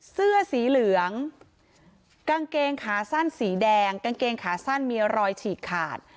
เสื้อสีเหลืองกางเกงขาสั้นสีแดงกางเกงขาสั้นมีรอยฉีกขาด